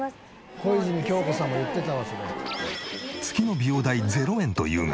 小泉今日子さんも言ってたわそれ。